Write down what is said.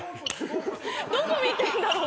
どこ見てるんだろう？